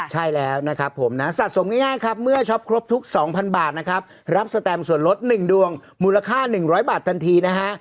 ใช่แล้วนะครับผมนะสะสมง่ายครับเมื่อช็อปครบทุก๒๐๐บาทนะครับรับสแตมส่วนลด๑ดวงมูลค่า๑๐๐บาททันทีนะฮะ